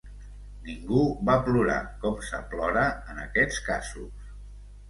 Ningú va plorar, com se plora en aquests casos